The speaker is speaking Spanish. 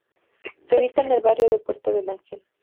Se ubica en el barrio de Puerta del Ángel.